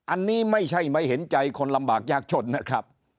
อันนี้ไม่ใช่ไม่เห็นใจคนลำบากยากจนนะครับ